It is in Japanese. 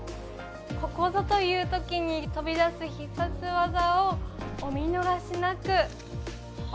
ここぞというときに飛び出す必殺技をお見逃しなく。